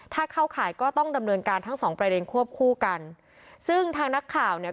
ถ้าเข้าข่ายก็ต้องดำเนินการทั้งสองประเด็นควบคู่กันซึ่งทางนักข่าวเนี่ย